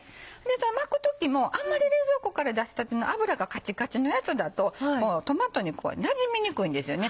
巻く時もあんまり冷蔵庫から出したての脂がカチカチのやつだとトマトになじみにくいんですよね。